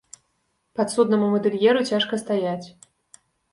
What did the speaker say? Падсуднаму мадэльеру цяжка стаяць.